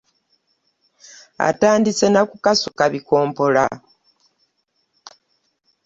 Atandise na kukasuka bikompola.